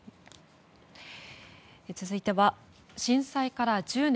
続いては、震災から１０年。